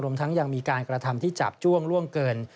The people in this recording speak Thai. ทั้งยังมีการกระทำที่จาบจ้วงล่วงเกิน